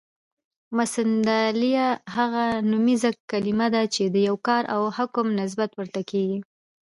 مسندالیه: هغه نومیزه کلیمه ده، چي د یو کار او حکم نسبت ورته کیږي.